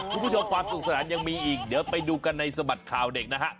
คุณผู้ชมความสุขสนานยังมีอีกเดี๋ยวไปดูกันในสบัดข่าวเด็กนะฮะ